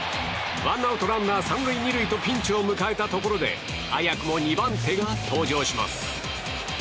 ワンアウトランナー３塁２塁とピンチを迎えたところで早くも２番手が登場します。